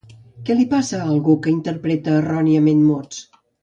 Què li passa a algú que interpreta erròniament mots?